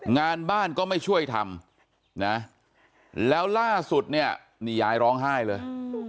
งานบ้านก็ไม่ช่วยทำนะแล้วล่าสุดเนี่ยนี่ยายร้องไห้เลย